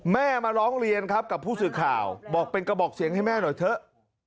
มาร้องเรียนครับกับผู้สื่อข่าวบอกเป็นกระบอกเสียงให้แม่หน่อยเถอะ